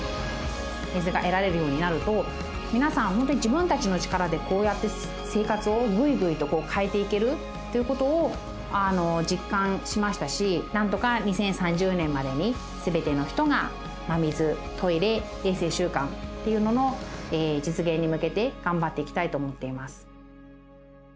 水が得られるようになると皆さん自分たちの力でこうやって生活をぐいぐいと変えていけるということを実感しましたしなんとか２０３０年までに全ての人が水トイレ衛生習慣っていうのの実現に向けて頑張っていきたいと思っています。